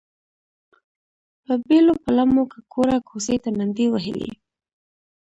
په بېلو پلمو له کوره کوڅې ته منډې وهلې.